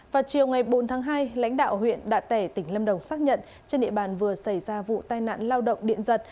vào chiều ngày bốn tháng hai lãnh đạo huyện đạ tẻ tỉnh lâm đồng xác nhận trên địa bàn vừa xảy ra vụ tai nạn lao động điện giật